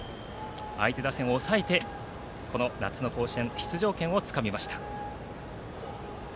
相手打線を抑えてこの夏の甲子園の出場権をつかみました。